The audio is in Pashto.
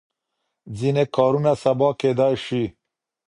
ځینې کارونه سبا کېدای شي.